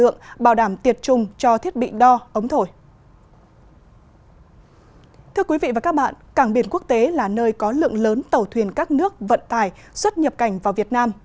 cảnh biển quốc tế là nơi có lượng lớn tàu thuyền các nước vận tài xuất nhập cảnh vào việt nam